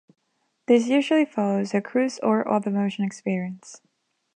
This usually follows a cruise or other motion experience.